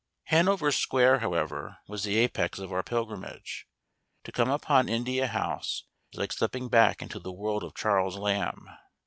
Hanover Square, however, was the apex of our pilgrimage. To come upon India House is like stepping back into the world of Charles Lamb.